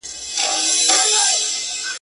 که یې سیلیو چڼچڼۍ وهلي.